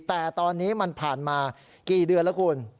แต่ตอนนี้มันผ่านมากี่เดือนแล้วคุณ